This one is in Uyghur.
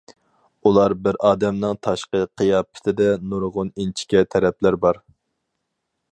ئۇلار بىر ئادەمنىڭ تاشقى قىياپىتىدە نۇرغۇن ئىنچىكە تەرەپلەر بار.